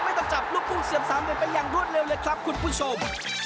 ไม่ต้องจับลูกพุ่งเสียบ๓๑เป็นอย่างรวดเร็วเลยครับคุณผู้ชม